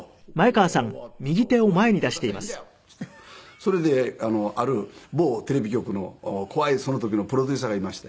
それである某テレビ局の怖いその時のプロデューサーがいまして。